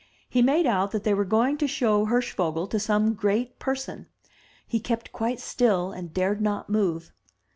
He made out that they were going to show Hirschvogel to some great person. He kept quite still and dared not move.